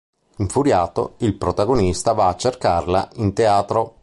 Infuriato, il protagonista va a cercarla in teatro.